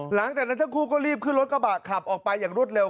หลังจากนั้นทั้งคู่ก็รีบขึ้นรถกระบะขับออกไปอย่างรวดเร็ว